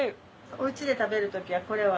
おうちで食べる時はこれを。